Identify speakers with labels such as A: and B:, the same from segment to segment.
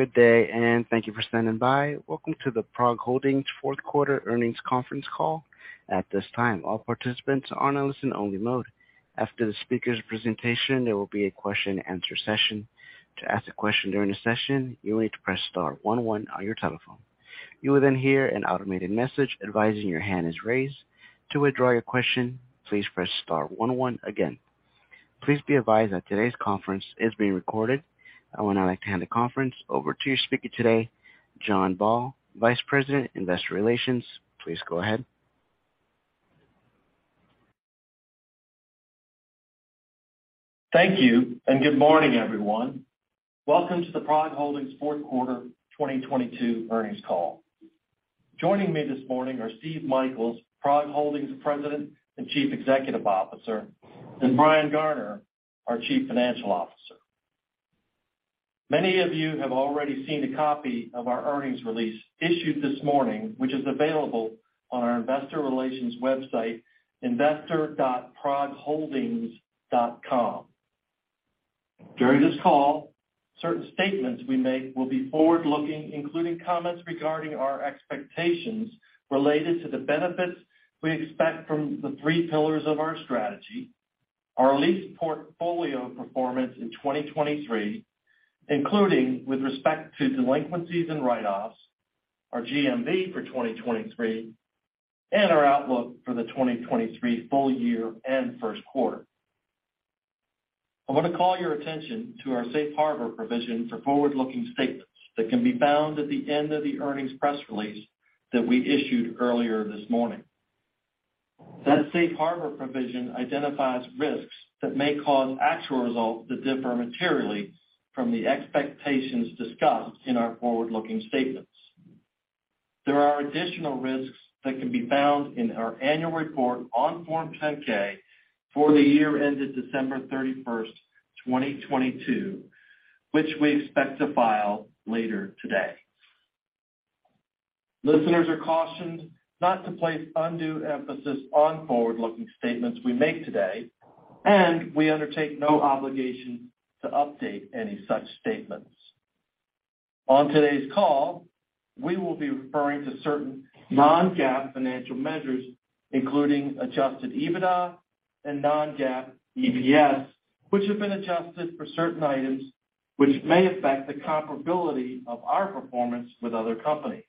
A: Good day. Thank you for standing by. Welcome to the PROG Holdings fourth quarter earnings conference call. At this time, all participants are on a listen-only mode. After the speaker's presentation, there will be a question and answer session. To ask a question during the session, you'll need to press star one one on your telephone. You will hear an automated message advising your hand is raised. To withdraw your question, please press star one one again. Please be advised that today's conference is being recorded. I would now like to hand the conference over to your speaker today, John Baugh, Vice President, Investor Relations. Please go ahead.
B: Thank you, and good morning, everyone. Welcome to the PROG Holdings fourth quarter 2022 earnings call. Joining me this morning are Steve Michaels, PROG Holdings President and Chief Executive Officer, and Brian Garner, our Chief Financial Officer. Many of you have already seen a copy of our earnings release issued this morning, which is available on our investor relations website, investor.progholdings.com. During this call, certain statements we make will be forward-looking, including comments regarding our expectations related to the benefits we expect from the three pillars of our strategy, our lease portfolio performance in 2023, including with respect to delinquencies and write-offs, our GMV for 2023, and our outlook for the 2023 full year and first quarter. I want to call your attention to our safe harbor provision for forward-looking statements that can be found at the end of the earnings press release that we issued earlier this morning. That safe harbor provision identifies risks that may cause actual results to differ materially from the expectations discussed in our forward-looking statements. There are additional risks that can be found in our annual report on Form 10-K for the year ended December 31, 2022, which we expect to file later today. Listeners are cautioned not to place undue emphasis on forward-looking statements we make today, and we undertake no obligation to update any such statements. On today's call, we will be referring to certain non-GAAP financial measures, including adjusted EBITDA and non-GAAP EPS, which have been adjusted for certain items which may affect the comparability of our performance with other companies.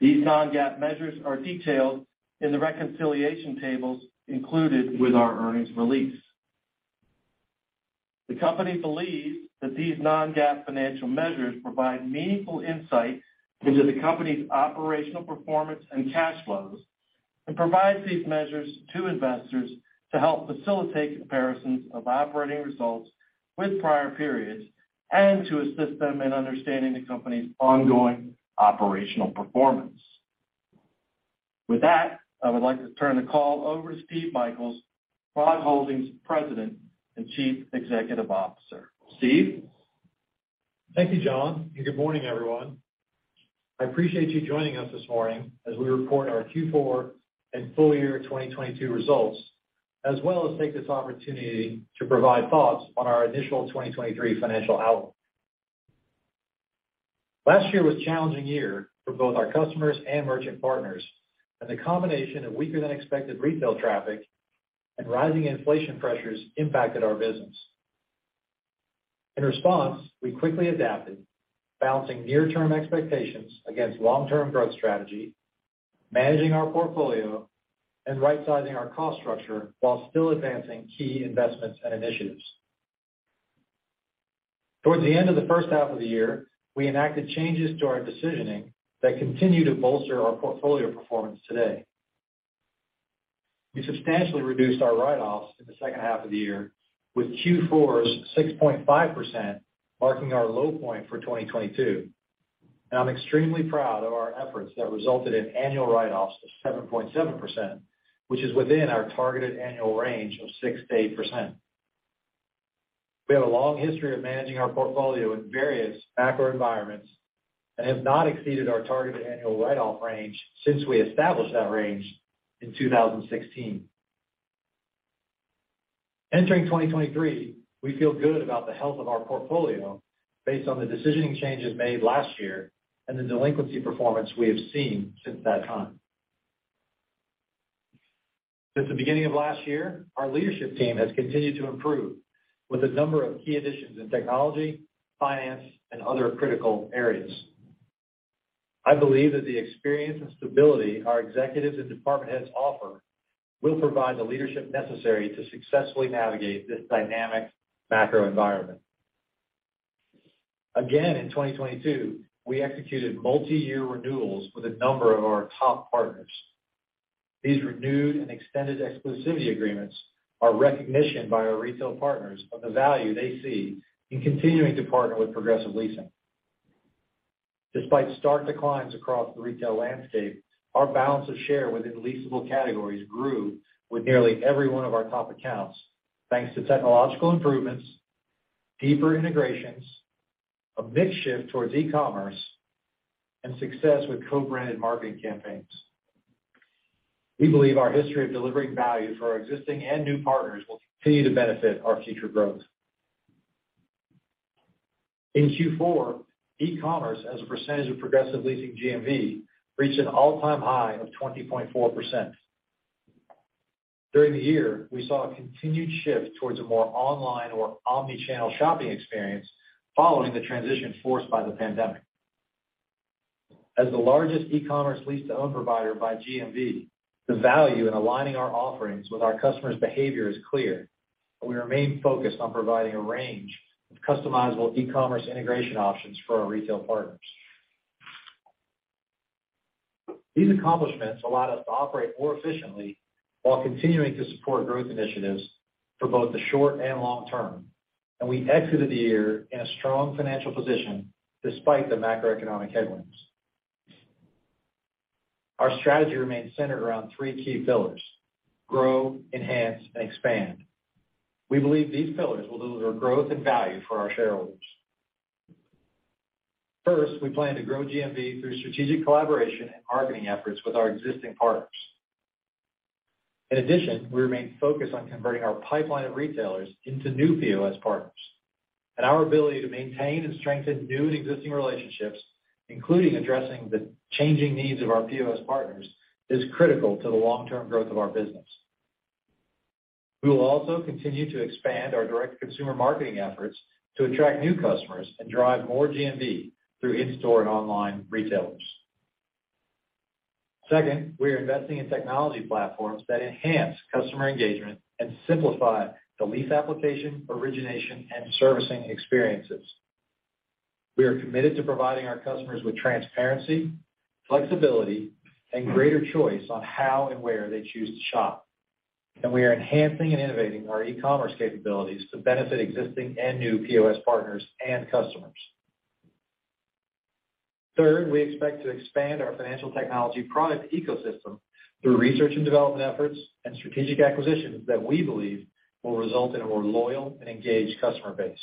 B: These non-GAAP measures are detailed in the reconciliation tables included with our earnings release. The company believes that these non-GAAP financial measures provide meaningful insight into the company's operational performance and cash flows and provides these measures to investors to help facilitate comparisons of operating results with prior periods and to assist them in understanding the company's ongoing operational performance. With that, I would like to turn the call over to Steve Michaels, PROG Holdings president and chief executive officer. Steve?
C: Thank you, John, and good morning, everyone. I appreciate you joining us this morning as we report our Q4 and full year 2022 results, as well as take this opportunity to provide thoughts on our initial 2023 financial outlook. Last year was a challenging year for both our customers and merchant partners, and the combination of weaker than expected retail traffic and rising inflation pressures impacted our business. In response, we quickly adapted, balancing near-term expectations against long-term growth strategy, managing our portfolio and rightsizing our cost structure while still advancing key investments and initiatives. Towards the end of the first half of the year, we enacted changes to our decisioning that continue to bolster our portfolio performance today. We substantially reduced our write-offs in the second half of the year with Q4's 6.5% marking our low point for 2022. I'm extremely proud of our efforts that resulted in annual write-offs of 7.7%, which is within our targeted annual range of 6%-8%. We have a long history of managing our portfolio in various macro environments and have not exceeded our targeted annual write-off range since we established that range in 2016. Entering 2023, we feel good about the health of our portfolio based on the decisioning changes made last year and the delinquency performance we have seen since that time. Since the beginning of last year, our leadership team has continued to improve with a number of key additions in technology, finance, and other critical areas. I believe that the experience and stability our executives and department heads offer will provide the leadership necessary to successfully navigate this dynamic macro environment. In 2022, we executed multiyear renewals with a number of our top partners. These renewed and extended exclusivity agreements are recognition by our retail partners of the value they see in continuing to partner with Progressive Leasing. Despite stark declines across the retail landscape, our balance of share within leasable categories grew with nearly every one of our top accounts, thanks to technological improvements, deeper integrations, a big shift towards e-commerce, and success with co-branded marketing campaigns. We believe our history of delivering value for our existing and new partners will continue to benefit our future growth. In Q4, e-commerce as a percentage of Progressive Leasing GMV reached an all-time high of 20.4%. During the year, we saw a continued shift towards a more online or omni-channel shopping experience following the transition forced by the pandemic. As the largest e-commerce lease-to-own provider by GMV, the value in aligning our offerings with our customers' behavior is clear, and we remain focused on providing a range of customizable e-commerce integration options for our retail partners. These accomplishments allow us to operate more efficiently while continuing to support growth initiatives for both the short and long term, and we exited the year in a strong financial position despite the macroeconomic headwinds. Our strategy remains centered around three key pillars: grow, enhance, and expand. We believe these pillars will deliver growth and value for our shareholders. First, we plan to grow GMV through strategic collaboration and marketing efforts with our existing partners. In addition, we remain focused on converting our pipeline of retailers into new POS partners. Our ability to maintain and strengthen new and existing relationships, including addressing the changing needs of our POS partners, is critical to the long-term growth of our business. We will also continue to expand our direct consumer marketing efforts to attract new customers and drive more GMV through in-store and online retailers. Second, we are investing in technology platforms that enhance customer engagement and simplify the lease application, origination, and servicing experiences. We are committed to providing our customers with transparency, flexibility, and greater choice on how and where they choose to shop, and we are enhancing and innovating our e-commerce capabilities to benefit existing and new POS partners and customers. Third, we expect to expand our financial technology product ecosystem through research and development efforts and strategic acquisitions that we believe will result in a more loyal and engaged customer base.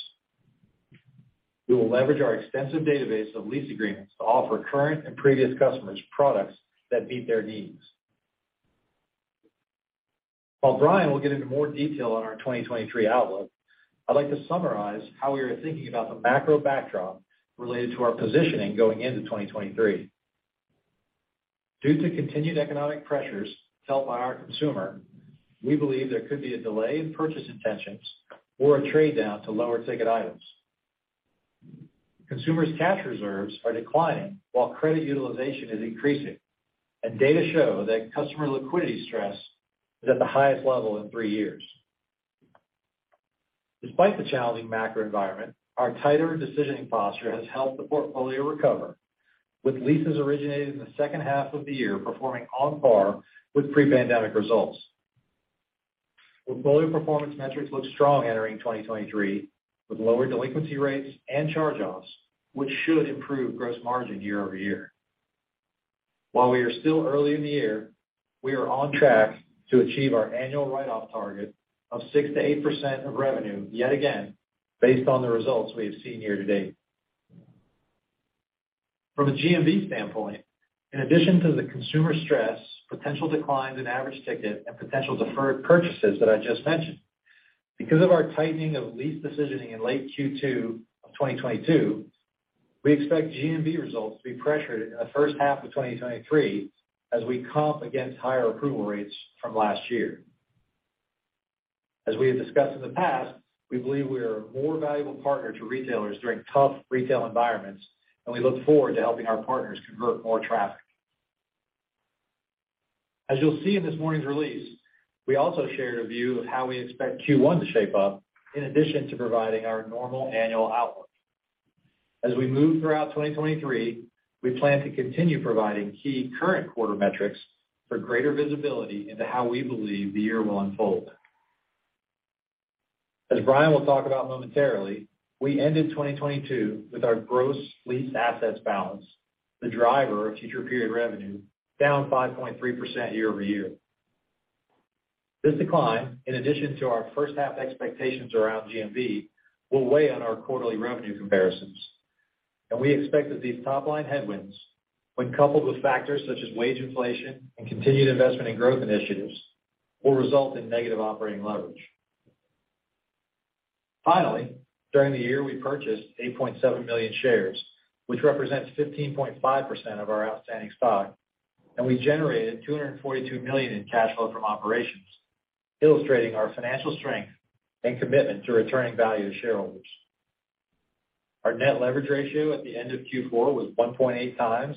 C: We will leverage our extensive database of lease agreements to offer current and previous customers products that meet their needs. While Brian will get into more detail on our 2023 outlook, I'd like to summarize how we are thinking about the macro backdrop related to our positioning going into 2023. Due to continued economic pressures felt by our consumer, we believe there could be a delay in purchase intentions or a trade-down to lower ticket items. Consumers' cash reserves are declining while credit utilization is increasing, and data show that customer liquidity stress is at the highest level in three years. Despite the challenging macro environment, our tighter decisioning posture has helped the portfolio recover, with leases originated in the second half of the year performing on par with pre-pandemic results. Portfolio performance metrics look strong entering 2023, with lower delinquency rates and charge-offs, which should improve gross margin year-over-year. While we are still early in the year, we are on track to achieve our annual write-off target of 6%-8% of revenue yet again based on the results we have seen year-to-date. From a GMV standpoint, in addition to the consumer stress, potential declines in average ticket and potential deferred purchases that I just mentioned, because of our tightening of lease decisioning in late Q2 of 2022, we expect GMV results to be pressured in the first half of 2023 as we comp against higher approval rates from last year. As we have discussed in the past, we believe we are a more valuable partner to retailers during tough retail environments, and we look forward to helping our partners convert more traffic. As you'll see in this morning's release, we also shared a view of how we expect Q1 to shape up in addition to providing our normal annual outlook. As we move throughout 2023, we plan to continue providing key current quarter metrics for greater visibility into how we believe the year will unfold. As Brian will talk about momentarily, we ended 2022 with our gross leased assets balance, the driver of future period revenue, down 5.3% year-over-year. This decline, in addition to our first half expectations around GMV, will weigh on our quarterly revenue comparisons. We expect that these top-line headwinds, when coupled with factors such as wage inflation and continued investment in growth initiatives, will result in negative operating leverage. During the year, we purchased 8.7 million shares, which represents 15.5% of our outstanding stock, and we generated $242 million in cash flow from operations, illustrating our financial strength and commitment to returning value to shareholders. Our net leverage ratio at the end of Q4 was 1.8x,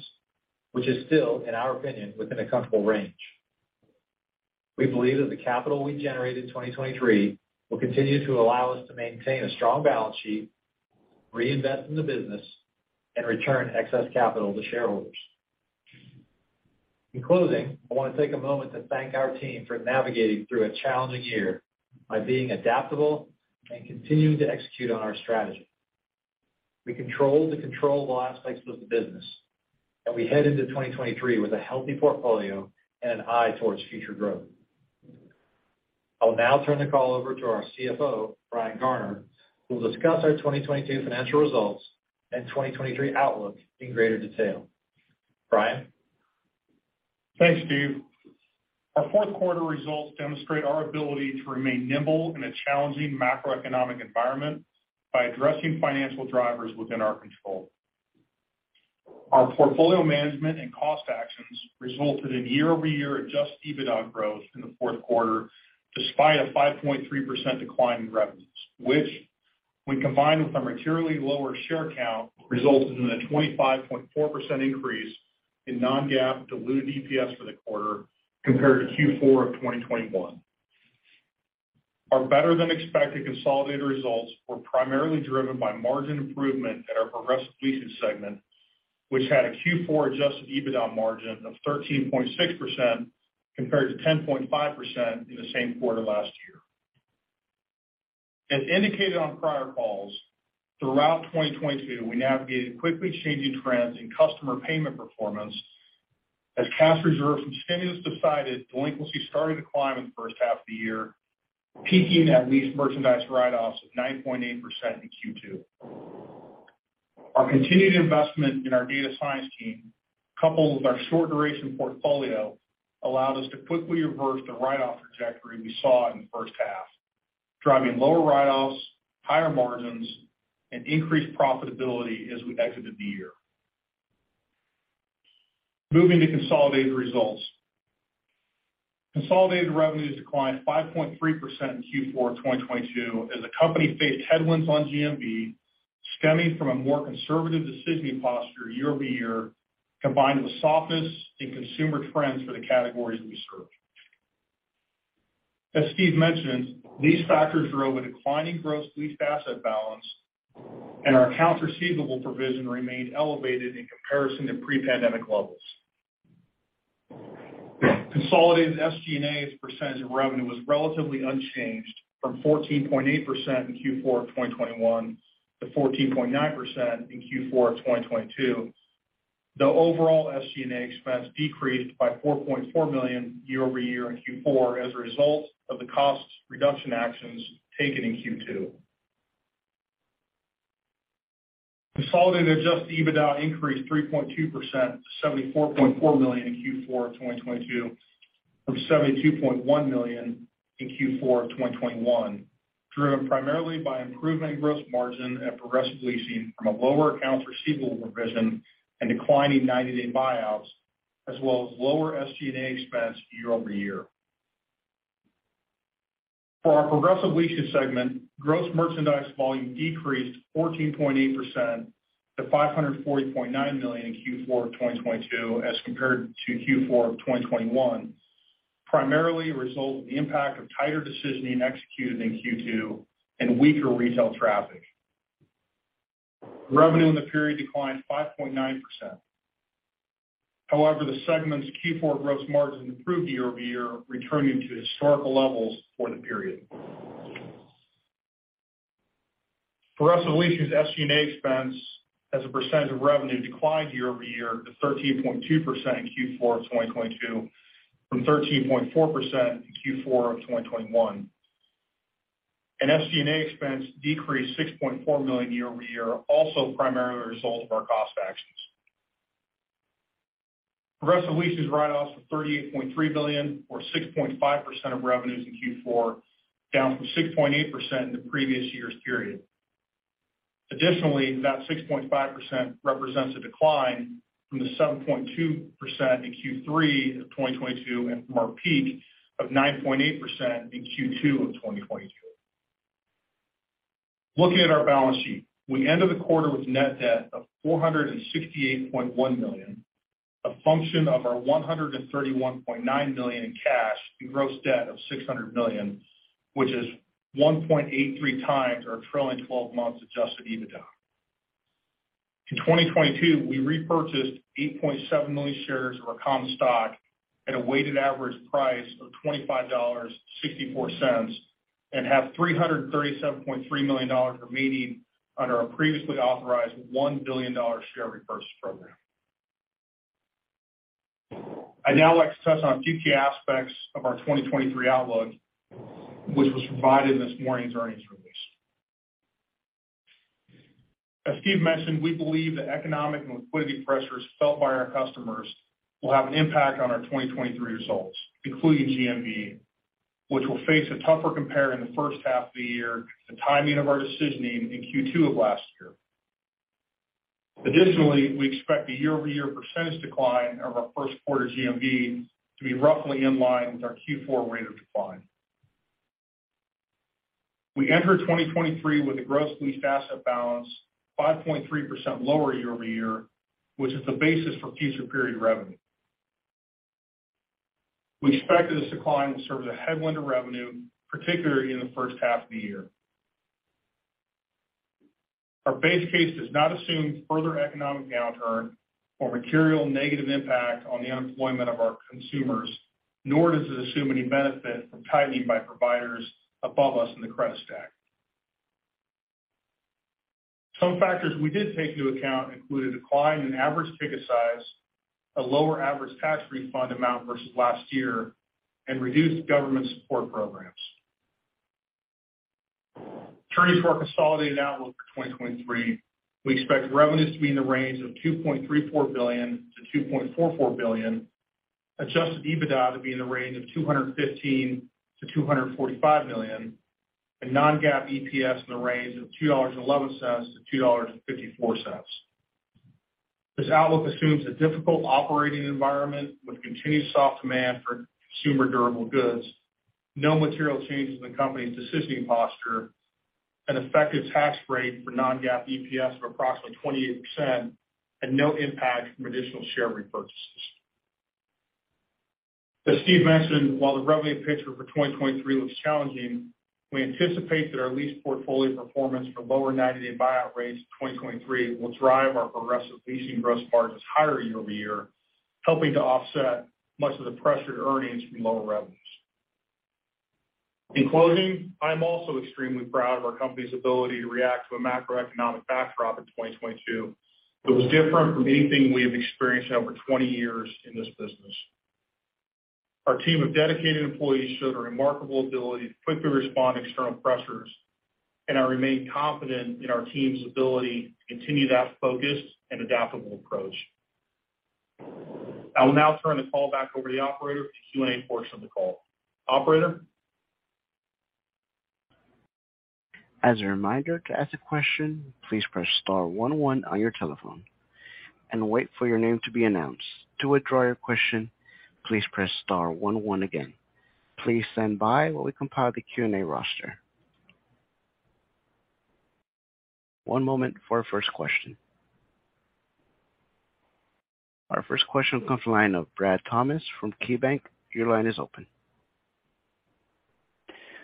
C: which is still, in our opinion, within a comfortable range. We believe that the capital we generate in 2023 will continue to allow us to maintain a strong balance sheet, reinvest in the business, and return excess capital to shareholders. In closing, I want to take a moment to thank our team for navigating through a challenging year by being adaptable and continuing to execute on our strategy. We controlled the controllable aspects of the business, and we head into 2023 with a healthy portfolio and an eye towards future growth. I'll now turn the call over to our CFO, Brian Garner, who will discuss our 2022 financial results and 2023 outlook in greater detail. Brian?
D: Thanks, Steve. Our fourth quarter results demonstrate our ability to remain nimble in a challenging macroeconomic environment by addressing financial drivers within our control. Our portfolio management and cost actions resulted in year-over-year adjusted EBITDA growth in the fourth quarter, despite a 5.3% decline in revenues, which when combined with a materially lower share count, resulted in a 25.4% increase in non-GAAP diluted EPS for the quarter compared to Q4 of 2021. Our better-than-expected consolidated results were primarily driven by margin improvement at our Progressive Leasing segment, which had a Q4 adjusted EBITDA margin of 13.6% compared to 10.5% in the same quarter last year. As indicated on prior calls, throughout 2022, we navigated quickly changing trends in customer payment performance. As cash reserve from stimulus subsided, delinquency started to climb in the first half of the year, peaking at leased merchandise write-offs of 9.8% in Q2. Our continued investment in our data science team, coupled with our short duration portfolio, allowed us to quickly reverse the write-off trajectory we saw in the first half, driving lower write-offs, higher margins, and increased profitability as we exited the year. Moving to consolidated results. Consolidated revenues declined 5.3% in Q4 of 2022 as the company faced headwinds on GMV stemming from a more conservative decisioning posture year-over-year, combined with softness in consumer trends for the categories we serve. As Steve mentioned, these factors drove a declining gross leased asset balance, and our accounts receivable provision remained elevated in comparison to pre-pandemic levels. Consolidated SG&A as a percentage of revenue was relatively unchanged from 14.8% in Q4 of 2021 to 14.9% in Q4 of 2022, though overall SG&A expense decreased by $4.4 million year-over-year in Q4 as a result of the cost reduction actions taken in Q2. Consolidated adjusted EBITDA increased 3.2% to $74.4 million in Q4 of 2022 from $72.1 million in Q4 of 2021, driven primarily by improvement in gross margin at Progressive Leasing from a lower accounts receivable provision and declining ninety-day buyouts as well as lower SG&A expense year-over-year. For our Progressive Leasing segment, gross merchandise volume decreased 14.8% to $540.9 million in Q4 of 2022 as compared to Q4 of 2021, primarily a result of the impact of tighter decisioning executed in Q2 and weaker retail traffic. Revenue in the period declined 5.9%. However, the segment's Q4 gross margin improved year-over-year, returning to historical levels for the period. Progressive Leasing's SG&A expense as a percent of revenue declined year-over-year to 13.2% in Q4 of 2022 from 13.4% in Q4 of 2021. SG&A expense decreased $6.4 million year-over-year, also primarily a result of our cost actions. Progressive Leasing's write-offs of $38.3 billion or 6.5% of revenues in Q4, down from 6.8% in the previous year's period. Additionally, that 6.5% represents a decline from the 7.2% in Q3 of 2022 and from our peak of 9.8% in Q2 of 2022. Looking at our balance sheet, we ended the quarter with net debt of $468.1 million, a function of our $131.9 million in cash and gross debt of $600 million, which is 1.83x our trailing twelve months Adjusted EBITDA. In 2022, we repurchased 8.7 million shares of our common stock at a weighted average price of $25.64 and have $337.3 million remaining under our previously authorized $1 billion share repurchase program. I'd now like to touch on a few key aspects of our 2023 outlook, which was provided in this morning's earnings release. As Steve mentioned, we believe the economic and liquidity pressures felt by our customers will have an impact on our 2023 results, including GMV, which will face a tougher compare in the first half of the year due to the timing of our decisioning in Q2 of last year. Additionally, we expect the year-over-year percentage decline of our first quarter GMV to be roughly in line with our Q4 rate of decline. We enter 2023 with a gross leased asset balance 5.3% lower year-over-year, which is the basis for future period revenue. We expect that this decline will serve as a headwind to revenue, particularly in the first half of the year. Our base case does not assume further economic downturn or material negative impact on the employment of our consumers, nor does it assume any benefit from tightening by providers above us in the credit stack. Some factors we did take into account include a decline in average ticket size, a lower average tax refund amount versus last year, and reduced government support programs. Turning to our consolidated outlook for 2023, we expect revenues to be in the range of $2.34-2.44 billion, adjusted EBITDA to be in the range of $215-245 million, and non-GAAP EPS in the range of $2.11-$2.54. This outlook assumes a difficult operating environment with continued soft demand for consumer durable goods, no material changes in the company's positioning posture, an effective tax rate for non-GAAP EPS of approximately 28%, and no impact from additional share repurchases. As Steve mentioned, while the revenue picture for 2023 looks challenging, we anticipate that our lease portfolio performance for lower 90-day buyout rates in 2023 will drive our Progressive Leasing gross margins higher year-over-year, helping to offset much of the pressure to earnings from lower revenues. In closing, I'm also extremely proud of our company's ability to react to a macroeconomic backdrop in 2022 that was different from anything we have experienced in over 20 years in this business. Our team of dedicated employees showed a remarkable ability to quickly respond to external pressures. I remain confident in our team's ability to continue that focused and adaptable approach. I will now turn the call back over to the operator for the Q&A portion of the call. Operator?
A: As a reminder, to ask a question, please press star one one on your telephone and wait for your name to be announced. To withdraw your question, please press star one one again. Please stand by while we compile the Q&A roster. One moment for our first question. Our first question comes from the line of Bradley Thomas from KeyBanc. Your line is open.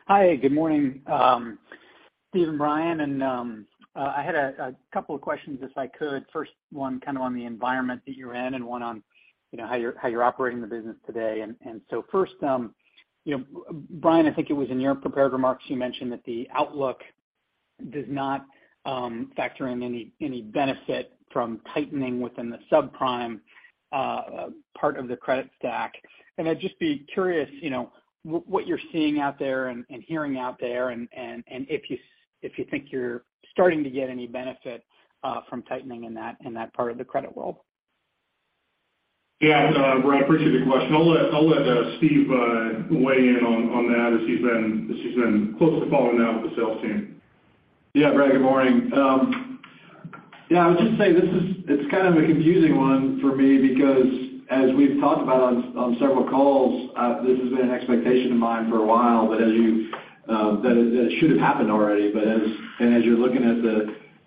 E: Hi, good morning, Steve Michaels and Brian Garner. I had a couple of questions, if I could. First one kind of on the environment that you're in and one on, you know, how you're operating the business today. First, you know, Brian Garner, I think it was in your prepared remarks, you mentioned that the outlook does not factor in any benefit from tightening within the subprime part of the credit stack. I'd just be curious, you know, what you're seeing out there and hearing out there and if you think you're starting to get any benefit from tightening in that part of the credit world.
D: Yeah. Brad, I appreciate the question. I'll let Steve weigh in on that as he's been closely following that with the sales team.
C: Yeah. Brad, good morning. Yeah, I would just say it's kind of a confusing one for me because as we've talked about on several calls, this has been an expectation of mine for a while, but as you, that should have happened already. As you're looking at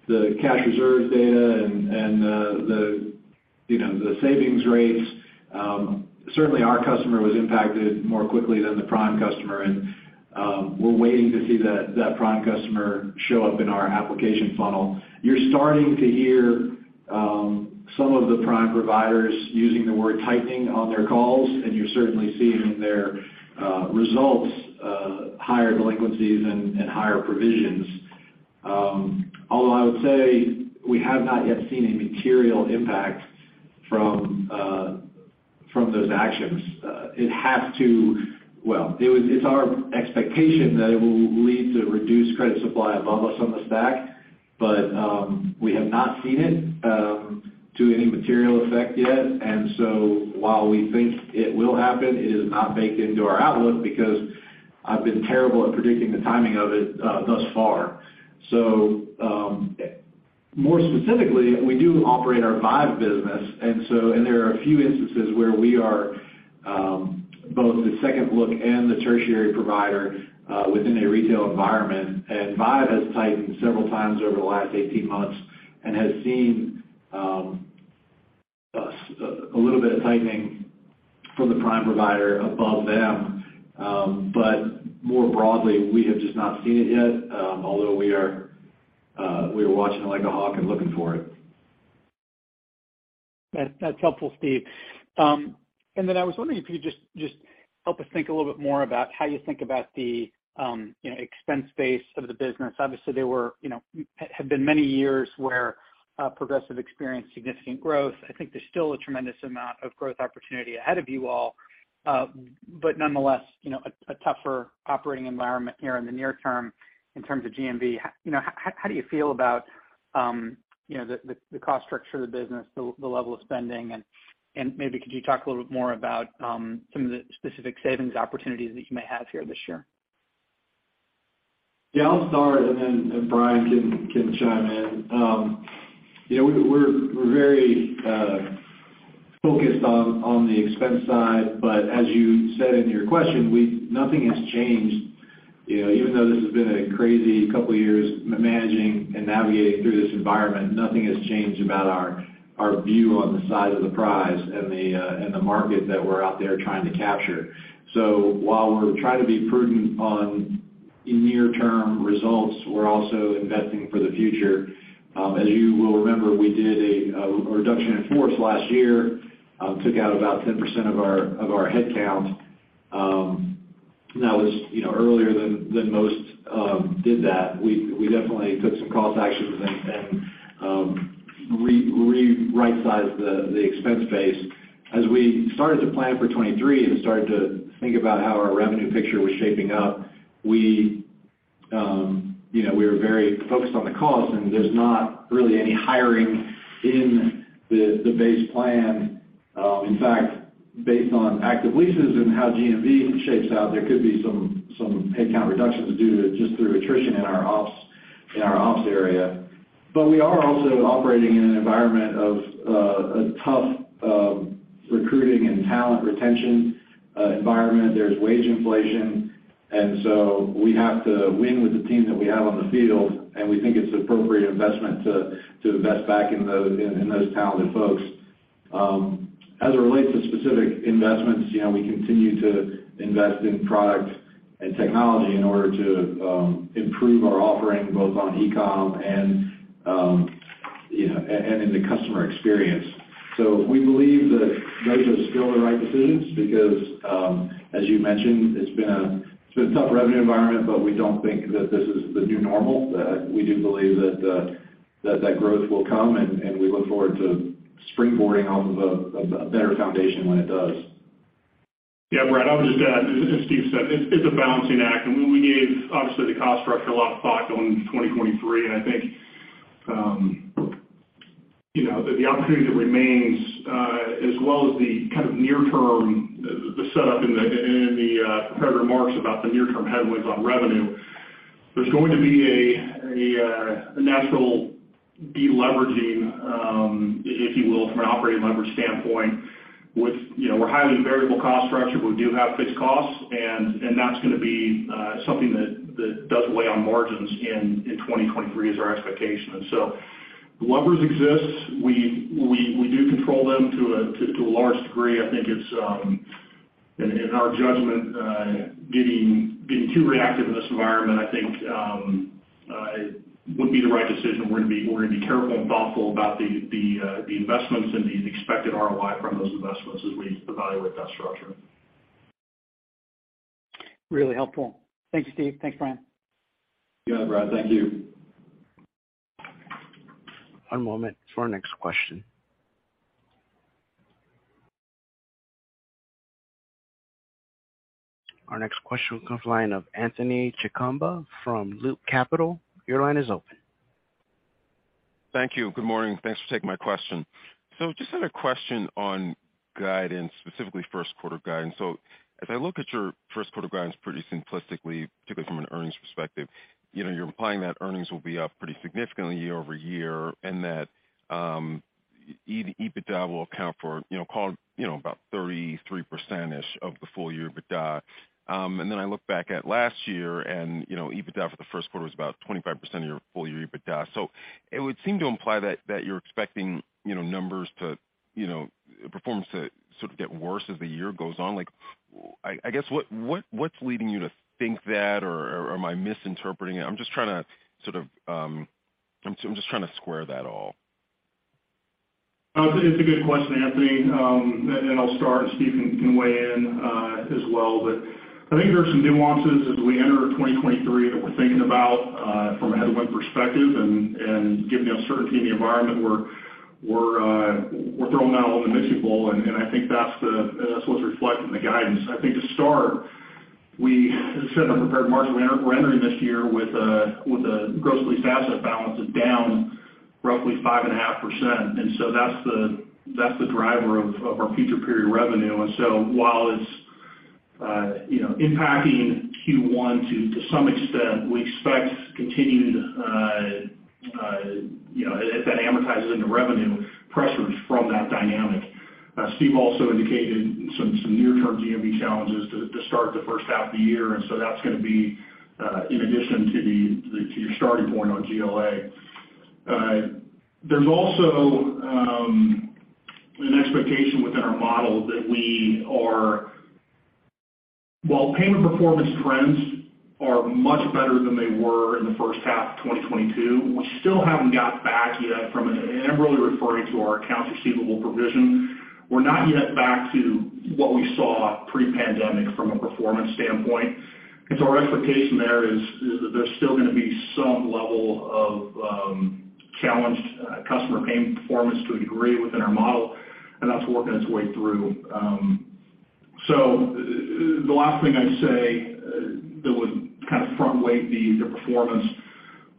C: the cash reserves data and the, you know, the savings rates, certainly our customer was impacted more quickly than the prime customer. We're waiting to see that prime customer show up in our application funnel. You're starting to hear some of the prime providers using the word tightening on their calls, and you're certainly seeing in their results, higher delinquencies and higher provisions. Although I would say we have not yet seen a material impact from those actions. It has to... Well, it's our expectation that it will lead to reduced credit supply above us on the stack, but we have not seen it to any material effect yet. While we think it will happen, it is not baked into our outlook because I've been terrible at predicting the timing of it thus far. More specifically, we do operate our VIVE business. There are a few instances where we are both the second look and the tertiary provider within a retail environment. VIVE has tightened several times over the last 18 months and has seen a little bit of tightening from the prime provider above them. More broadly, we have just not seen it yet, although we are watching it like a hawk and looking for it.
E: That's helpful, Steve. I was wondering if you could just help us think a little bit more about how you think about the, you know, expense base of the business. Obviously, there were, you know, have been many years where Progressive experienced significant growth. I think there's still a tremendous amount of growth opportunity ahead of you all. Nonetheless, you know, a tougher operating environment here in the near term in terms of GMV. You know, how do you feel about, you know, the cost structure of the business, the level of spending? Maybe could you talk a little bit more about some of the specific savings opportunities that you may have here this year?
C: Yeah. I'll start and then Brian can chime in. You know, we're very focused on the expense side, but as you said in your question, nothing has changed. You know, even though this has been a crazy couple of years managing and navigating through this environment, nothing has changed about our view on the size of the prize and the market that we're out there trying to capture. While we're trying to be prudent on near-term results, we're also investing for the future. As you will remember, we did a reduction in force last year, took out about 10% of our headcount. As you know, earlier than most, did that, we definitely took some cost actions and rightsized the expense base. As we started to plan for 2023 and started to think about how our revenue picture was shaping up, we, you know, we were very focused on the cost and there's not really any hiring in the base plan. In fact, based on active leases and how GMV shapes out, there could be some headcount reductions due to just through attrition in our ops area. We are also operating in an environment of a tough recruiting and talent retention environment. There's wage inflation. We have to win with the team that we have on the field, and we think it's an appropriate investment to invest back in those talented folks. As it relates to specific investments, you know, we continue to invest in product and technology in order to improve our offering both on eCom and, you know, in the customer experience. We believe that those are still the right decisions because, as you mentioned, it's been a tough revenue environment, but we don't think that this is the new normal. We do believe that growth will come and we look forward to springboarding off of a better foundation when it does.
D: Yeah. Brad, I would just add, as Steve said, it's a balancing act. When we gave, obviously, the cost structure a lot of thought going into 2023, and I think, you know, the opportunity that remains, as well as the kind of near term, the setup and in the prepared remarks about the near-term headwinds on revenue. There's going to be a natural de-leveraging, if you will, from an operating leverage standpoint with. You know, we're highly variable cost structure, but we do have fixed costs and that's gonna be something that does weigh on margins in 2023 is our expectation. The levers exist. We do control them to a large degree. I think it's, in our judgment, getting too reactive in this environment, I think, it would be the right decision. We're gonna be careful and thoughtful about the investments and the expected ROI from those investments as we evaluate that structure.
E: Really helpful. Thank you, Steve. Thanks, Brian.
D: You got it, Brad. Thank you.
A: One moment for our next question. Our next question comes line of Anthony Chukumba from Loop Capital. Your line is open.
F: Thank you. Good morning. Thanks for taking my question. Just had a question on guidance, specifically first-quarter guidance. As I look at your first-quarter guidance, pretty simplistically, particularly from an earnings perspective, you know, you're implying that earnings will be up pretty significantly year-over-year and that EBITDA will account for, call, about 33%-ish of the full-year EBITDA. I look back at last year and, you know, EBITDA for the first quarter was about 25% of your full-year EBITDA. It would seem to imply that you're expecting, you know, numbers to, you know, performance to sort of get worse as the year goes on. Like, I guess what's leading you to think that, or am I misinterpreting it? I'm just trying to sort of, I'm just trying to square that all.
D: It's a good question, Anthony. I'll start and Steve can weigh in as well. I think there are some nuances as we enter 2023 that we're thinking about from a headwind perspective and given the uncertainty in the environment, we're throwing that all in the mixing bowl. I think that's what's reflected in the guidance. I think to start, we said in the prepared remarks, we're entering this year with a gross lease asset balance is down roughly 5.5%. That's the driver of our future period revenue. While it's, you know, impacting Q1 to some extent, we expect continued, you know, if that amortizes into revenue pressures from that dynamic. Steve also indicated some near-term GMV challenges to start the first half of the year, that's gonna be in addition to your starting point on GLA. There's also an expectation within our model that we are. While payment performance trends are much better than they were in the first half of 2022, we still haven't got back yet and I'm really referring to our accounts receivable provision. We're not yet back to what we saw pre-pandemic from a performance standpoint. Our expectation there is that there's still gonna be some level of challenged customer payment performance to a degree within our model, and that's working its way through. The last thing I'd say that would kind of front weight the performance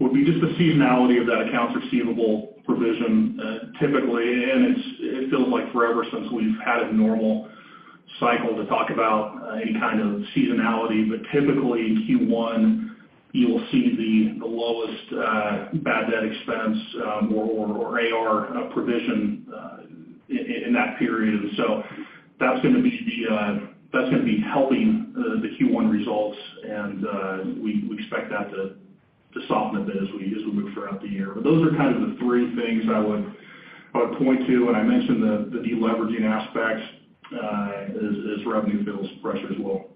D: would be just the seasonality of that accounts receivable provision. Typically, and it's, it feels like forever since we've had a normal cycle to talk about any kind of seasonality, but typically in Q1 you will see the lowest bad debt expense or AR provision in that period. That's gonna be helping the Q1 results and we expect that to soften a bit as we move throughout the year. Those are kind of the three things I would point to. I mentioned the deleveraging aspects as revenue feels pressure as well.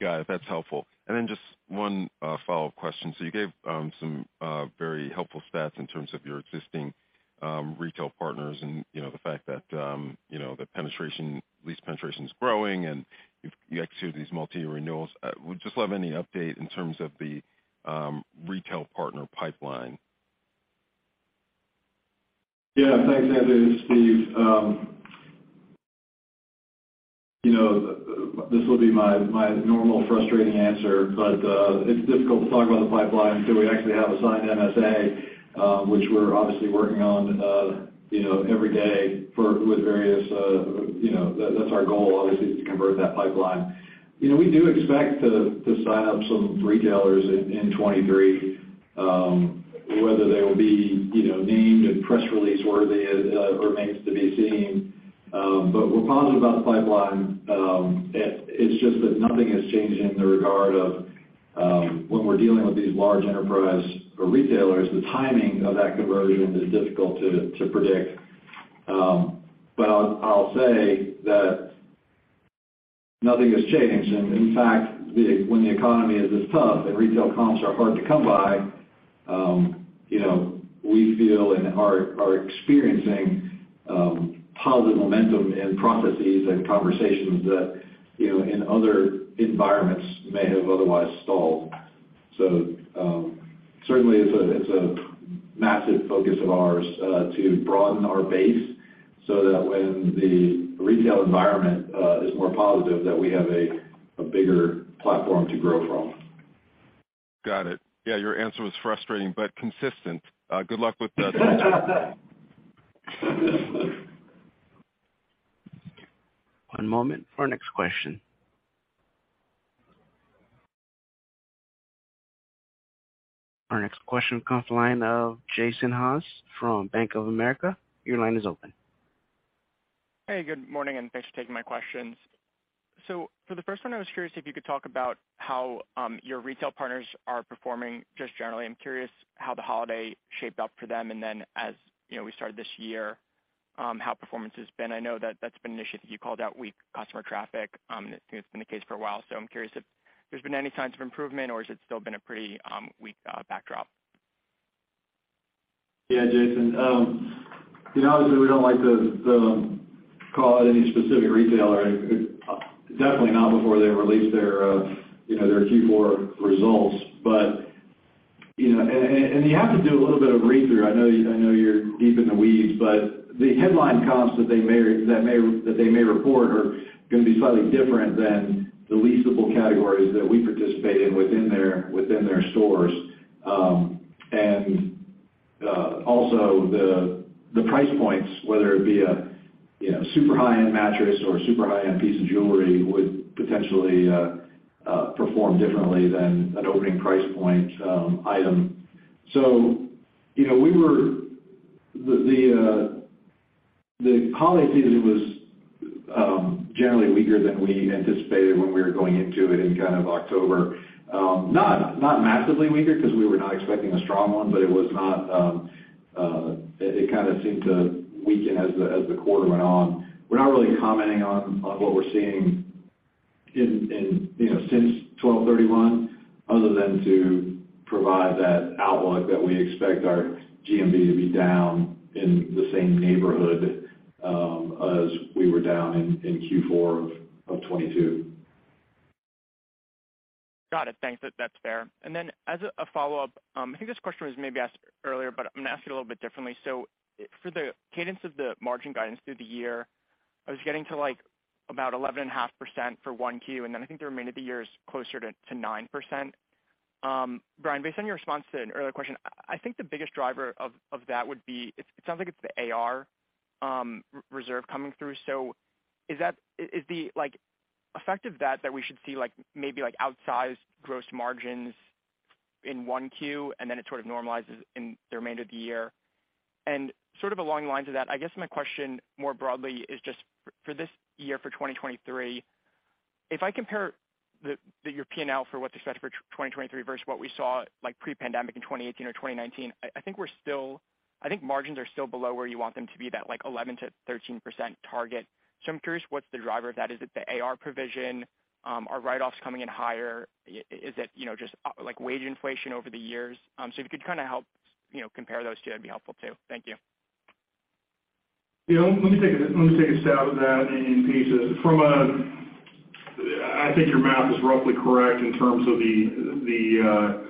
F: Got it. That's helpful. Just one follow-up question. You gave some very helpful stats in terms of your existing retail partners and, you know, the fact that, you know, the penetration, lease penetration is growing, and you've executed these multi-year renewals. We'd just love any update in terms of the retail partner pipeline.
C: Yeah. Thanks, Andrew. It's Steve. You know, this will be my normal frustrating answer, but it's difficult to talk about the pipeline until we actually have a signed MSA, which we're obviously working on, you know, every day with various. You know, that's our goal, obviously, is to convert that pipeline. You know, we do expect to sign up some retailers in 2023. Whether they'll be, you know, named and press release-worthy, remains to be seen. We're positive about the pipeline. It's just that nothing has changed in the regard of when we're dealing with these large enterprise retailers, the timing of that conversion is difficult to predict. I'll say that nothing has changed. In fact, when the economy is this tough and retail comps are hard to come by, you know, we feel and are experiencing positive momentum in processes and conversations that, you know, in other environments may have otherwise stalled. Certainly it's a massive focus of ours to broaden our base so that when the retail environment is more positive, that we have a bigger platform to grow from.
F: Got it. Yeah, your answer was frustrating but consistent. Good luck with the.....
A: One moment for our next question. Our next question comes to the line of Jason Haas from Bank of America. Your line is open.
G: Good morning, and thanks for taking my questions. For the first one, I was curious if you could talk about how your retail partners are performing just generally. I'm curious how the holiday shaped up for them. As, you know, we started this year, how performance has been. I know that that's been an issue that you called out weak customer traffic, and it's been the case for a while, I'm curious if there's been any signs of improvement or is it still been a pretty weak backdrop?
C: Yeah, Jason. You know, obviously, we don't like to call out any specific retailer, definitely not before they release their, you know, their Q4 results. You know, you have to do a little bit of read-through. I know you're deep in the weeds, but the headline comps that they may report are gonna be slightly different than the leasable categories that we participate in within their stores. Also the price points, whether it be a, you know, super high-end mattress or super high-end piece of jewelry would potentially perform differently than an opening price point item. You know, the holiday season was generally weaker than we anticipated when we were going into it in kind of October. Not massively weaker because we were not expecting a strong one, but it was not. It kind of seemed to weaken as the quarter went on. We're not really commenting on what we're seeing, you know, since 12/31, other than to provide that outlook that we expect our GMV to be down in the same neighborhood as we were down in Q4 of 2022.
G: Got it. Thanks. That's fair. As a follow-up, I think this question was maybe asked earlier, but I'm gonna ask it a little bit differently. For the cadence of the margin guidance through the year, I was getting to about 11.5% for 1 Q, and then I think the remainder of the year is closer to 9%. Brian, based on your response to an earlier question, I think the biggest driver of that would be it sounds like it's the AR reserve coming through. Is that the effect of that we should see, maybe, outsized gross margins in 1 Q and then it sort of normalizes in the remainder of the year? Sort of along the lines of that, I guess my question more broadly is just for this year, for 2023, if I compare the P&L for what's expected for 2023 versus what we saw, like, pre-pandemic in 2018 or 2019, I think we're still I think margins are still below where you want them to be, that, like, 11%-13% target. I'm curious what's the driver of that. Is it the AR provision? Are write-offs coming in higher? Is it, you know, just, like, wage inflation over the years? If you could kind of help, you know, compare those two, that'd be helpful too. Thank you.
C: You know, let me take a stab at that in pieces. I think your math is roughly correct in terms of the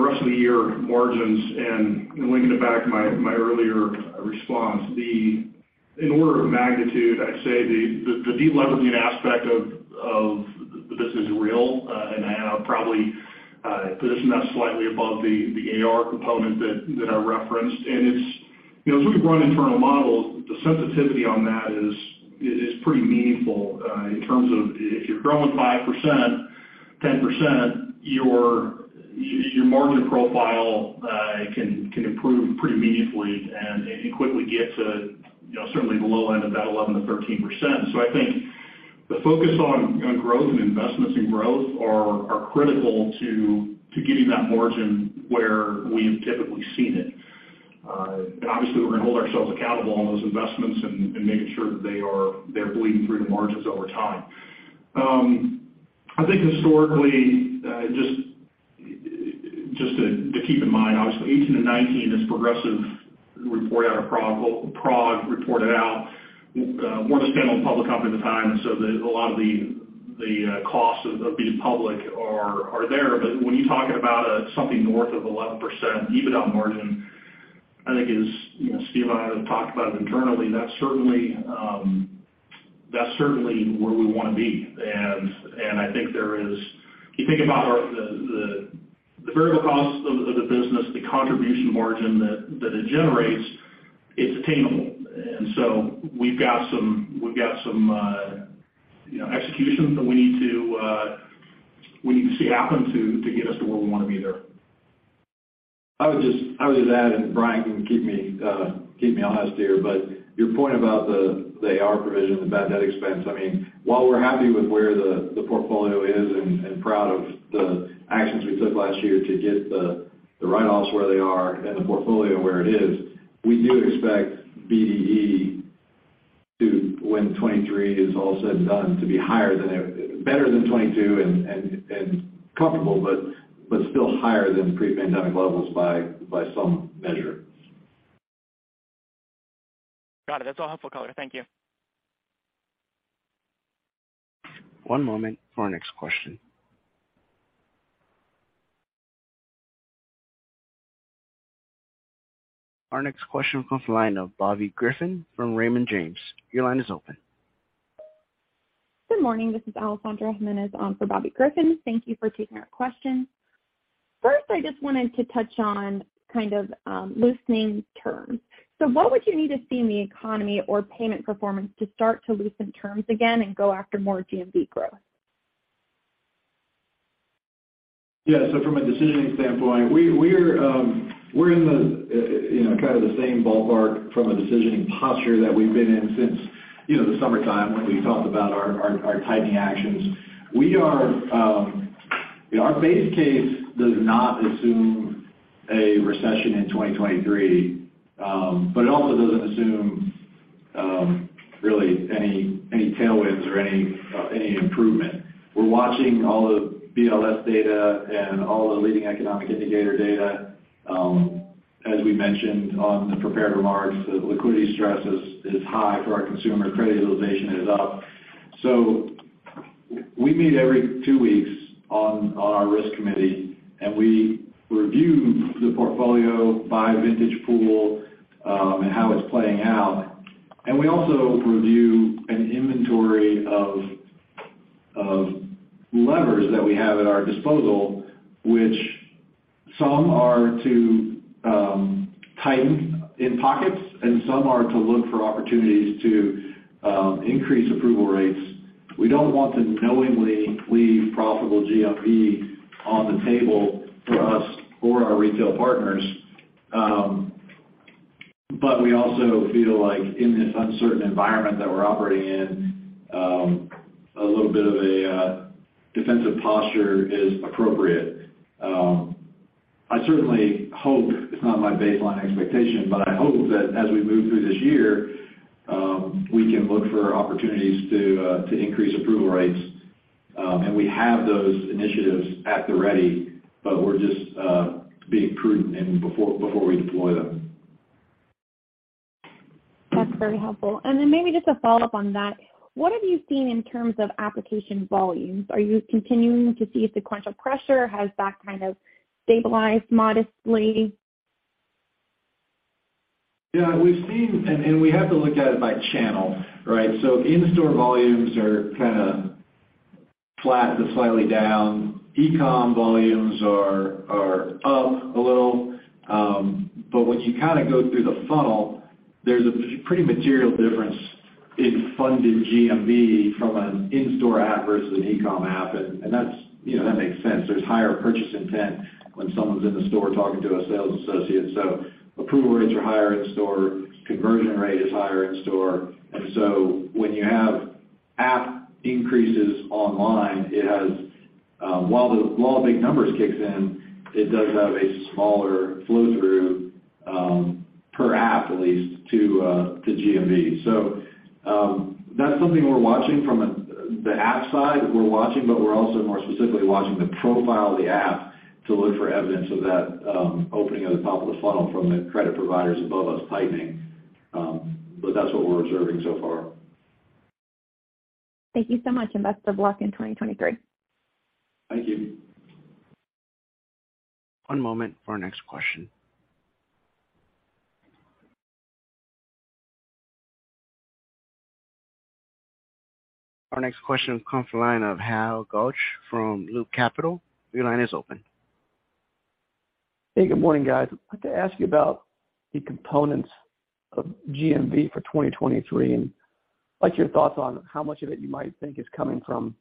C: rest of the year margins. Linking it back to my earlier response, in order of magnitude, I'd say the de-leveraging aspect of this is real. I'll probably position that slightly above the AR component that I referenced. It's, you know, as we run internal models, the sensitivity on that is pretty meaningful in terms of if you're growing 5%, 10%, your margin profile can improve pretty meaningfully and quickly get to, you know, certainly the low end of that 11%-13%. I think the focus on growth and investments in growth are critical to getting that margin where we have typically seen it. Obviously we're gonna hold ourselves accountable on those investments and making sure that they're bleeding through the margins over time. I think historically, just.
D: Just to keep in mind, obviously 18 and 19 is Progressive report out of PROG reported out. Weren't a standalone public company at the time, a lot of the costs of being public are there. When you're talking about something north of 11% EBITDA margin, I think is, you know, Steve and I have talked about it internally, that's certainly where we wanna be. I think there is... If you think about the variable costs of the business, the contribution margin that it generates, it's attainable. We've got some, you know, executions that we need to see happen to get us to where we want to be there.
C: I would just add, and Brian can keep me honest here, but your point about the AR provision, the bad debt expense, I mean, while we're happy with where the portfolio is and proud of the actions we took last year to get the write-offs where they are and the portfolio where it is, we do expect BDE to, when 23 is all said and done, to be higher than better than 22 and comfortable, but still higher than pre-pandemic levels by some measure.
A: Got it. That's all helpful color. Thank you. One moment for our next question. Our next question comes from the line of Bobby Griffin from Raymond James. Your line is open.
H: Good morning. This is Alessandra Jimenez on for Bobby Griffin. Thank you for taking our question. First, I just wanted to touch on kind of loosening terms. What would you need to see in the economy or payment performance to start to loosen terms again and go after more GMV growth?
C: From a decisioning standpoint, we're in the, you know, kind of the same ballpark from a decisioning posture that we've been in since, you know, the summertime when we talked about our tightening actions. We are, our base case does not assume a recession in 2023. It also doesn't assume really any tailwinds or any improvement. We're watching all the BLS data and all the leading economic indicator data. As we mentioned on the prepared remarks, the liquidity stress is high for our consumer. Credit utilization is up. We meet every two weeks on our risk committee, and we review the portfolio by vintage pool and how it's playing out. We also review an inventory of levers that we have at our disposal, which some are to tighten in pockets, and some are to look for opportunities to increase approval rates. We don't want to knowingly leave profitable GMV on the table for us or our retail partners. We also feel like in this uncertain environment that we're operating in, a little bit of a defensive posture is appropriate. I certainly hope, it's not my baseline expectation, but I hope that as we move through this year, we can look for opportunities to increase approval rates. We have those initiatives at the ready, but we're just being prudent before we deploy them.
H: That's very helpful. Maybe just a follow-up on that. What have you seen in terms of application volumes? Are you continuing to see sequential pressure? Has that kind of stabilized modestly?
C: Yeah. We've seen... We have to look at it by channel, right? In-store volumes are kinda flat to slightly down. E-com volumes are up a little. But when you kind of go through the funnel, there's a pretty material difference in funded GMV from an in-store app versus an e-com app. That's, you know, that makes sense. There's higher purchase intent when someone's in the store talking to a sales associate. Approval rates are higher in store, conversion rate is higher in store. When you have app increases online, it has, while the law of big numbers kicks in, it does have a smaller flow-through per app at least to GMV. That's something we're watching from the app side we're watching, but we're also more specifically watching the profile of the app to look for evidence of that opening of the top of the funnel from the credit providers above us tightening. That's what we're observing so far.
H: Thank you so much, and best of luck in 2023.
C: Thank you.
A: One moment for our next question. Our next question comes from the line of Hal Goetsch from Loop Capital. Your line is open.
I: Hey, good morning, guys. I'd like to ask you about the components of GMV for 2023, and like your thoughts on how much of it you might think is coming from,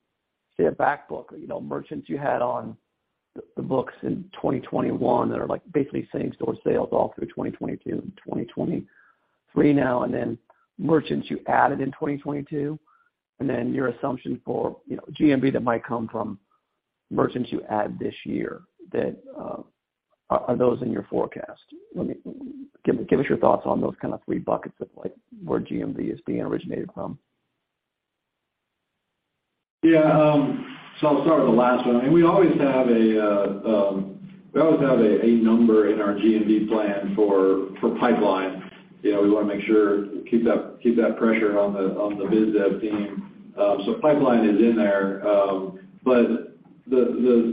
I: say, a back book or, you know, merchants you had on the books in 2021 that are, like, basically same-store sales all through 2022 and 2023 now and then merchants you added in 2022, and then your assumption for, you know, GMV that might come from merchants you add this year that, are those in your forecast? Give us your thoughts on those kind of three buckets of, like, where GMV is being originated from.
C: Yeah. I'll start with the last one. I mean, we always have a number in our GMV plan for pipeline. You know, we wanna make sure keep that pressure on the biz dev team. Pipeline is in there. The, you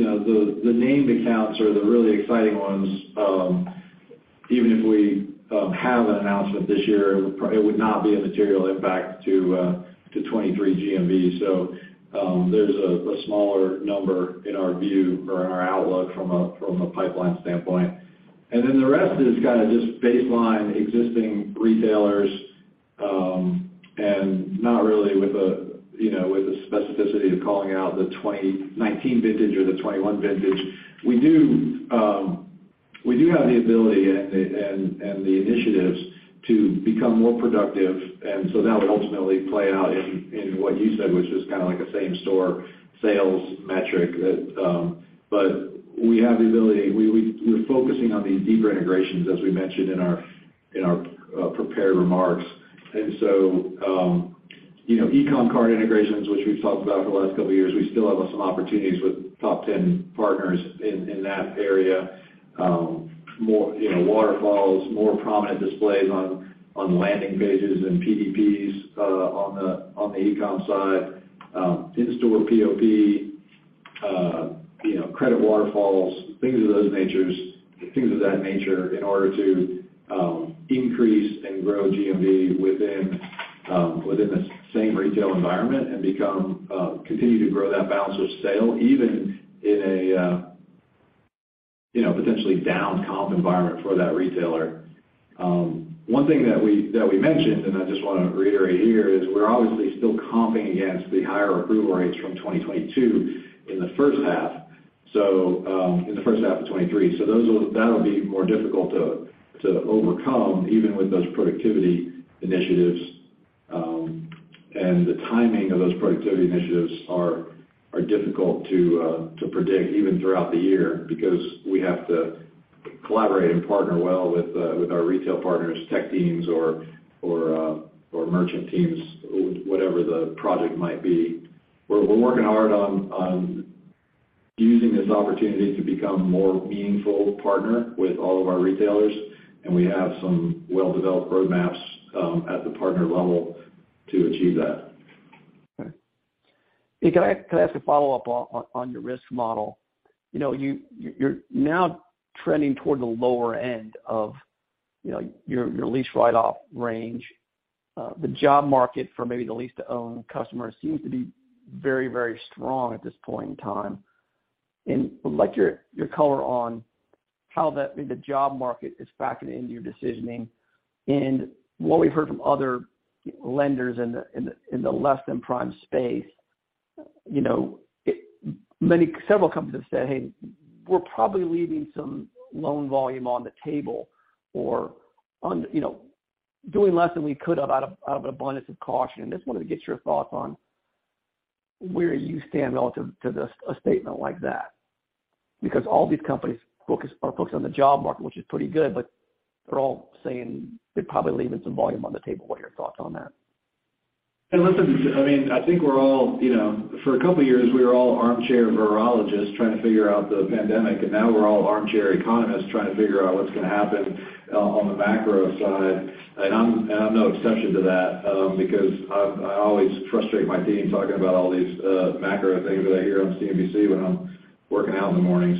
C: know, the named accounts are the really exciting ones. Even if we have an announcement this year, it would not be a material impact to '23 GMV. There's a smaller number in our view or in our outlook from a pipeline standpoint. The rest is kinda just baseline existing retailers, and not really with a, you know, with the specificity of calling out the '19 vintage or the '21 vintage. We do have the ability and the initiatives to become more productive. That would ultimately play out in what you said, which is kinda like a same store sales metric that. We have the ability. We're focusing on these deeper integrations, as we mentioned in our, in our prepared remarks. You know, e-commerce card integrations, which we've talked about for the last couple years, we still have some opportunities with top 10 partners in that area. More, you know, waterfalls, more prominent displays on landing pages and PDPs, on the, on the e-comm side. In-store POP, you know, credit waterfalls, things of that nature in order to increase and grow GMV within the same retail environment and continue to grow that balance of sale, even in a, you know, potentially down comp environment for that retailer. One thing that we mentioned, and I just want to reiterate here, is we're obviously still comping against the higher approval rates from 2022 in the first half, so in the first half of 2023. That'll be more difficult to overcome even with those productivity initiatives. The timing of those productivity initiatives are difficult to predict even throughout the year because we have to collaborate and partner well with our retail partners, tech teams or merchant teams, whatever the project might be. We're working hard on using this opportunity to become a more meaningful partner with all of our retailers, and we have some well-developed roadmaps at the partner level to achieve that.
I: Okay. Hey, can I ask a follow-up on your risk model? You know, you're now trending toward the lower end of, you know, your lease write-off range. The job market for maybe the lease-to-own customers seems to be very strong at this point in time. I'd like your color on how that maybe the job market is factoring into your decisioning. What we've heard from other lenders in the less than prime space, you know, several companies have said, "Hey, we're probably leaving some loan volume on the table," or on, you know, doing less than we could have out of an abundance of caution. I just wanted to get your thoughts on where you stand relative to this, a statement like that. All these companies are focused on the job market, which is pretty good, but they're all saying they're probably leaving some volume on the table. What are your thoughts on that?
C: Hey, listen, I mean, I think we're all, you know. For a couple years we were all armchair virologists trying to figure out the pandemic, and now we're all armchair economists trying to figure out what's gonna happen on the macro side. I'm no exception to that, because I always frustrate my team talking about all these macro things that I hear on CNBC when I'm working out in the morning.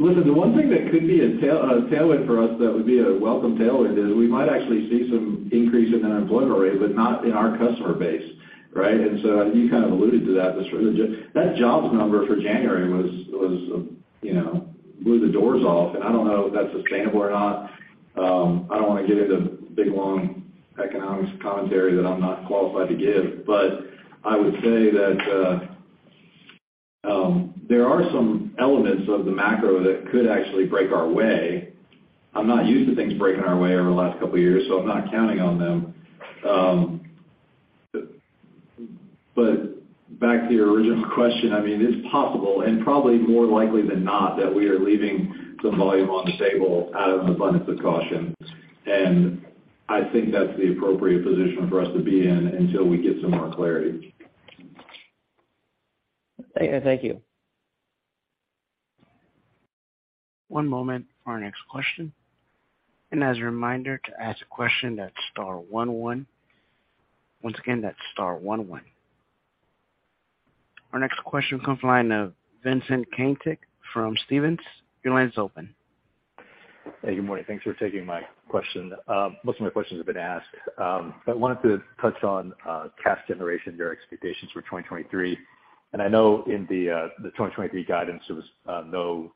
C: Listen, the one thing that could be a tailwind for us that would be a welcome tailwind is we might actually see some increase in the unemployment rate, but not in our customer base, right? You kind of alluded to that, just for That jobs number for January was, you know, blew the doors off. I don't know if that's sustainable or not. I don't wanna give you the big, long economics commentary that I'm not qualified to give. I would say that there are some elements of the macro that could actually break our way. I'm not used to things breaking our way over the last couple years, I'm not counting on them. Back to your original question, I mean, it's possible and probably more likely than not that we are leaving some volume on the table out of an abundance of caution. I think that's the appropriate position for us to be in until we get some more clarity.
I: Thank you.
A: One moment for our next question. As a reminder to ask a question, that's star one one. Once again, that's star one one. Our next question comes from the line of Vincent Caintic from Stephens. Your line's open.
J: Hey, good morning. Thanks for taking my question. Most of my questions have been asked. Wanted to touch on cash generation, your expectations for 2023. I know in the 2023 guidance, there was no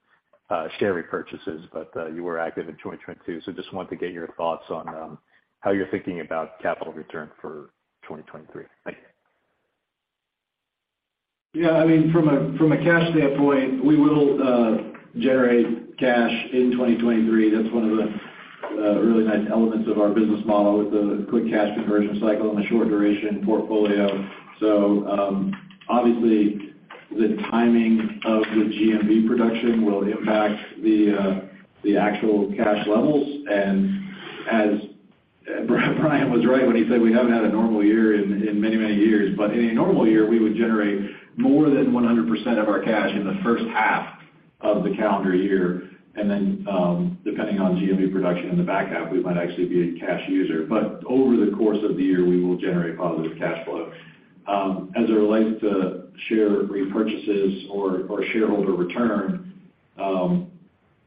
J: share repurchases, but you were active in 2022. Just wanted to get your thoughts on how you're thinking about capital return for 2023. Thank you.
C: Yeah. I mean, from a cash standpoint, we will generate cash in 2023. That's one of the really nice elements of our business model is the quick cash conversion cycle and the short duration portfolio. The timing of the GMV production will impact the actual cash levels. As Brian was right when he said we haven't had a normal year in many years, but in a normal year, we would generate more than 100% of our cash in the first half of the calendar year. Depending on GMV production in the back half, we might actually be a cash user. Over the course of the year, we will generate positive cash flow. As it relates to share repurchases or shareholder return,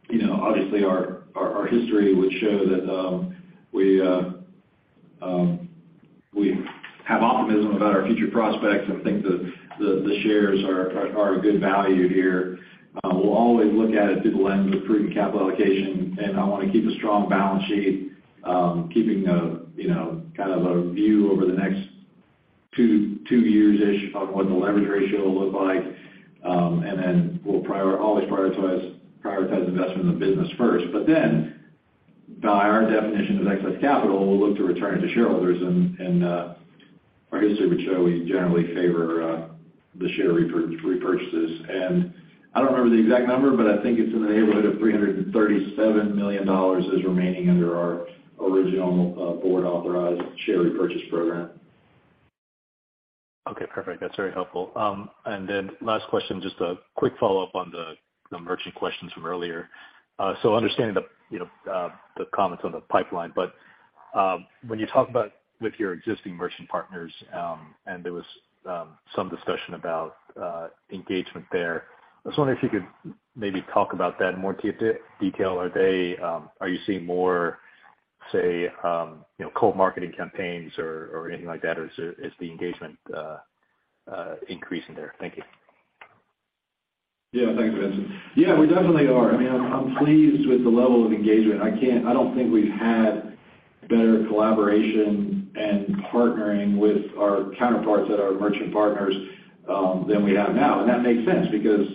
C: you know, obviously our history would show that we have optimism about our future prospects and think that the shares are a good value here. We'll always look at it through the lens of prudent capital allocation. I wanna keep a strong balance sheet, keeping a, you know, kind of a view over the next two years-ish on what the leverage ratio will look like. We'll always prioritize investment in the business first. By our definition of excess capital, we'll look to return it to shareholders. Our history would show we generally favor the share repurchases. I don't remember the exact number, but I think it's in the neighborhood of $337 million is remaining under our original board authorized share repurchase program.
J: Okay, perfect. That's very helpful. Last question, just a quick follow-up on the merchant questions from earlier. Understanding the, you know, the comments on the pipeline, but when you talk about with your existing merchant partners, and there was some discussion about engagement there. I was wondering if you could maybe talk about that in more detail. Are they, are you seeing more, say, you know, co-marketing campaigns or anything like that, or is the engagement increasing there? Thank you.
C: Thanks, Vincent. We definitely are. I mean, I'm pleased with the level of engagement. I don't think we've had better collaboration and partnering with our counterparts that are merchant partners than we have now. That makes sense because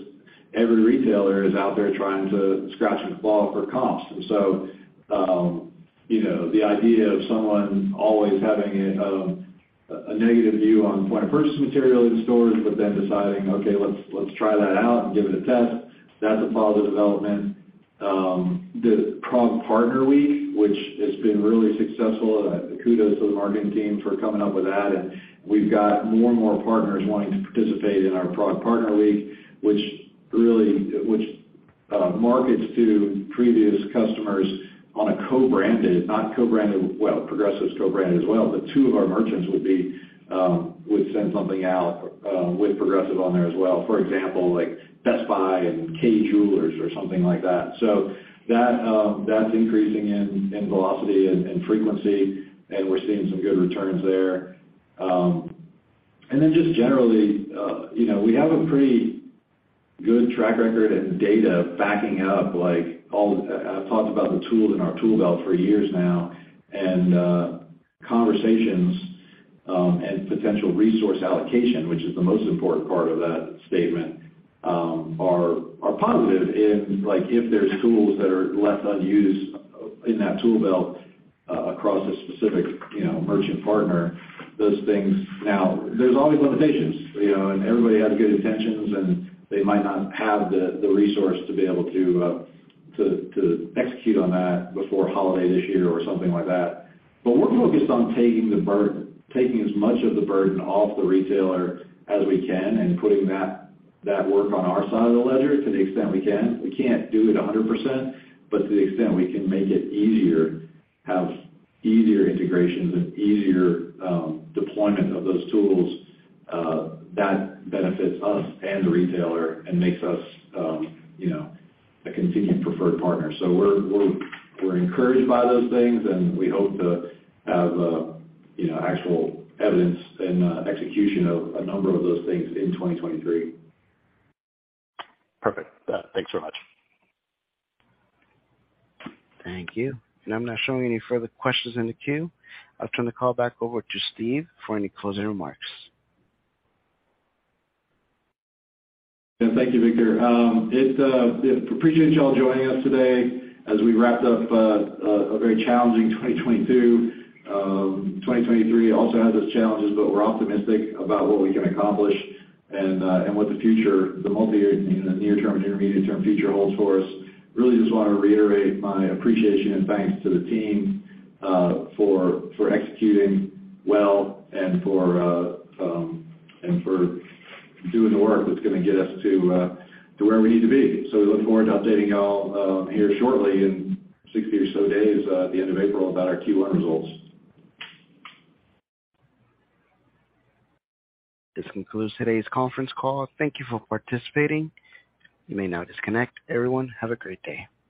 C: every retailer is out there trying to scratch and claw for costs. You know, the idea of someone always having a negative view on point-of-purchase material in stores, but then deciding, okay, let's try that out and give it a test, that's a positive development. The Prog Partner Week, which has been really successful, kudos to the marketing team for coming up with that. We've got more and more partners wanting to participate in our Prog Partner Week, which markets to previous customers on a co-branded, not co-branded. Progressive's co-branded as well, but two of our merchants would be, would send something out with Progressive on there as well. For example, like Best Buy and Kay Jewelers or something like that. That's increasing in velocity and frequency, and we're seeing some good returns there. Just generally, you know, we have a pretty good track record and data backing up, like, I've talked about the tools in our tool belt for years now, and conversations and potential resource allocation, which is the most important part of that statement, are positive in, like, if there's tools that are left unused in that tool belt across a specific, you know, merchant partner, those things... There's always limitations, you know, and everybody has good intentions, and they might not have the resource to be able to execute on that before holiday this year or something like that. We're focused on taking as much of the burden off the retailer as we can and putting that work on our side of the ledger to the extent we can. We can't do it 100%, but to the extent we can make it easier, have easier integrations and easier deployment of those tools, that benefits us and the retailer and makes us, you know, a continued preferred partner. We're encouraged by those things, and we hope to have, you know, actual evidence and execution of a number of those things in 2023.
J: Perfect. Thanks so much.
A: Thank you. I'm not showing any further questions in the queue. I'll turn the call back over to Steve for any closing remarks.
C: Yeah. Thank you, Victor. Appreciate y'all joining us today as we wrapped up a very challenging 2022. 2023 also has its challenges, but we're optimistic about what we can accomplish and what the future, the multi, you know, near term and intermediate term future holds for us. Really just wanna reiterate my appreciation and thanks to the team for executing well and for doing the work that's gonna get us to where we need to be. We look forward to updating y'all here shortly in 60 or so days at the end of April about our Q1 results.
A: This concludes today's conference call. Thank you for participating. You may now disconnect. Everyone, have a great day.